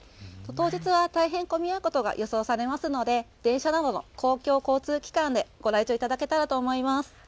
当日は大変混み合うことが予想されますので電車などの公共交通機関でご来場いただければと思います。